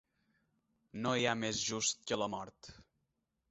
No hi ha més just que la mort.